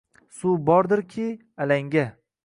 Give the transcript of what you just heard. Suv bordirki — alanga.